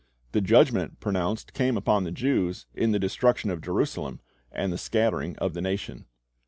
The judgment pronounced came upon the Jews in the destruction of Jerusalem and the scattering of the nation.